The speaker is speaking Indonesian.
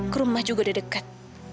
ke rumah juga udah deket